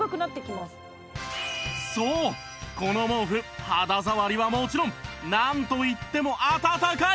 そうこの毛布肌触りはもちろんなんといっても暖かい！